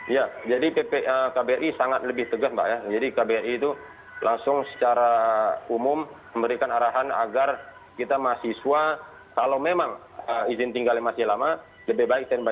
ya jadi kbri sangat lebih tegas mbak ya jadi kbri itu langsung secara umum memberikan arahan agar kita mahasiswa kalau memang izin tinggalnya masih lama